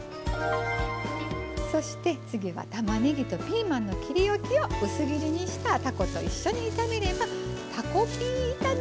そして次はたまねぎとピーマンの切りおきを薄切りにしたたこと一緒に炒めればたこピー炒めになります。